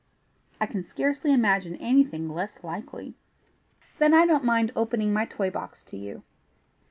"I can scarcely imagine anything less likely." "Then I don't mind opening my toy box to you.